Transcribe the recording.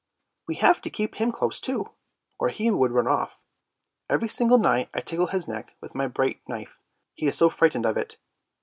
" We have to keep him close too, or he would run off. Every single night I tickle his neck with my bright knife, he is so frightened of it."